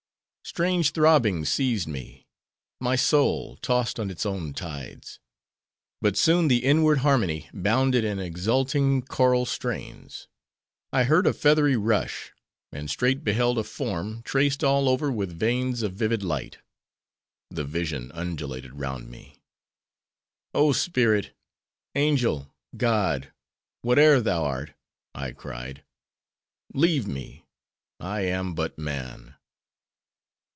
"Strange throbbings seized me; my soul tossed on its own tides. But soon the inward harmony bounded in exulting choral strains. I heard a feathery rush; and straight beheld a form, traced all over with veins of vivid light. The vision undulated round me. "'Oh! Spirit!! angel! god! whate'er thou art,'—I cried, 'leave me; I am but man.